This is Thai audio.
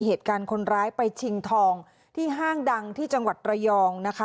เหตุการณ์คนร้ายไปชิงทองที่ห้างดังที่จังหวัดระยองนะคะ